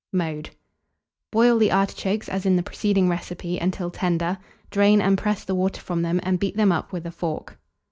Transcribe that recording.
Mode. Boil the artichokes as in the preceding recipe until tender; drain and press the water from them, and beat them up with a fork.